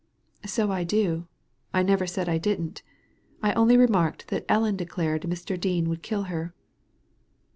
" So I do ; I never said I didn't I only remarked that Ellen declared Mr. Dean would kill her."